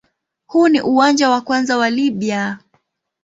Huu ni uwanja wa kwanza wa Libya.